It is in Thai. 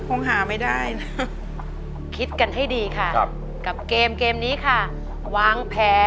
โปรดติดตามตอนต่อไป